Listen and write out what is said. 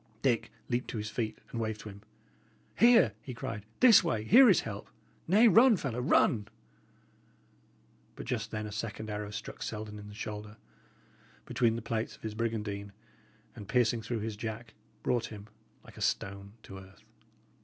Dick leaped to his feet and waved to him. "Here!" he cried. "This way! here is help! Nay, run, fellow run!" But just then a second arrow struck Selden in the shoulder, between the plates of his brigandine, and, piercing through his jack, brought him, like a stone, to earth.